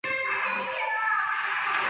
唐朝武德四年复为越州。